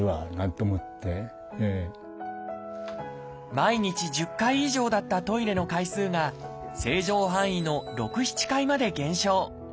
毎日１０回以上だったトイレの回数が正常範囲の６７回まで減少。